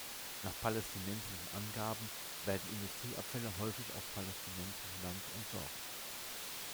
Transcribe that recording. Nach palästinensischen Angaben werden Industrieabfälle häufig auf palästinensischem Land entsorgt.